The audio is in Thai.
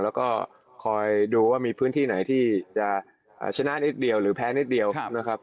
แล้วก็คอยดูว่ามีพื้นที่ไหนที่จะชนะนิดเดียวหรือแพ้นิดเดียวนะครับ